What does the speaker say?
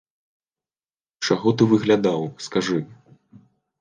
Чаго ты выглядаў, скажы?